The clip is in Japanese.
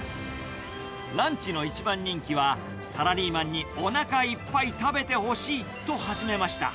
ランチの一番人気は、サラリーマンにおなかいっぱい食べてほしいと始めました。